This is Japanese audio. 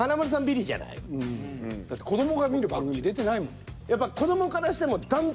だって子どもが見る番組に出てないもん。